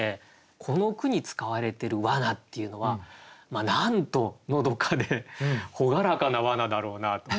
この句に使われてる「罠」っていうのはなんとのどかで朗らかな罠だろうなと。